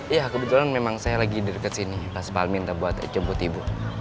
iya kebetulan memang saya lagi deket sini pas pal minta buat jemput ibu